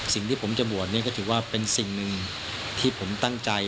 สิ่งที่ผมจะบวชนี่ก็ถือว่าเป็นสิ่งหนึ่งที่ผมตั้งใจ